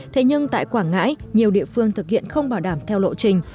thế nhưng tại quảng ngãi nhiều địa phương thực hiện không bảo đảm theo lộ trình